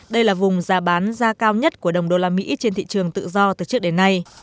đây là vùng giá bán giá cao nhất của đồng đô la mỹ trên thị trường tự do từ trước đến nay